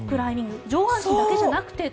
上半身だけじゃなくて。